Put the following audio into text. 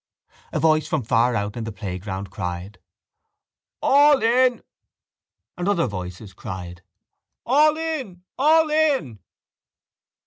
A voice from far out on the playground cried: —All in! And other voices cried: —All in! All in!